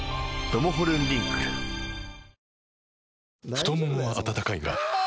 太ももは温かいがあ！